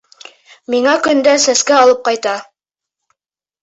Миңә көндә сәскә алып ҡайта.